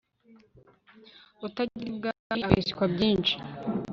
utagera ibwami abeshywa byinshi